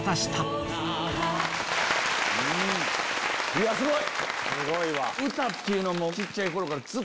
いやすごい！